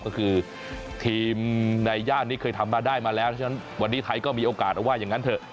ก็คือทีมในย่านนี้เคยทำมาได้มาแล้วฉะนั้นวันนี้ไทยก็มีโอกาสว่าอย่างนั้นเถอะ